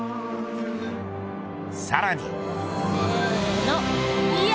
さらに。